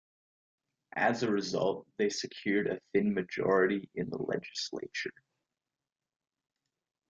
As a result, they secured a thin majority in the legislature.